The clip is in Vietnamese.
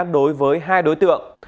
đối với hai đối tượng